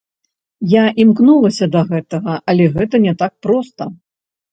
Я імкнуся да гэтага, але гэта не так проста.